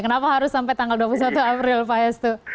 kenapa harus sampai tanggal dua puluh satu april pak hestu